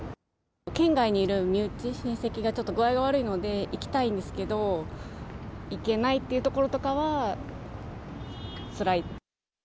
県外にいる身内、親戚がちょっと具合悪いので、行きたいんですけど、行けないっていうところとかは、つらい。